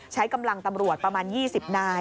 ใช้กำลังตำรวจประมาณ๒๐นาย